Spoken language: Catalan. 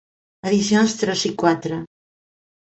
Edicions Tres i Quatre.